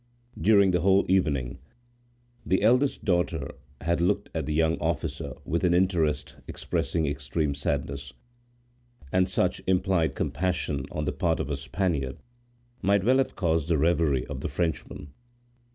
During the whole evening, the eldest daughter had looked at the young officer with an interest expressing extreme sadness, and such implied compassion on the part of a Spaniard might well have caused the reverie of the Frenchman.